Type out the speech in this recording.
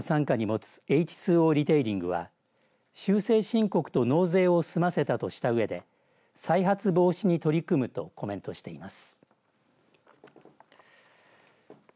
阪急阪神百貨店を傘下に持つエイチ・ツー・オーリテイリングは修正申告と納税を済ませたとしたうえで再発防止に取り組むとコメントしています。